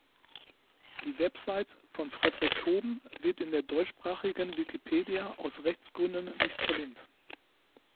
Die Website von Fredrick Toben wird in der deutschsprachigen Wikipedia aus Rechtsgründen nicht verlinkt.